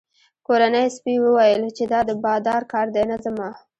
کورني سپي وویل چې دا د بادار کار دی نه زما.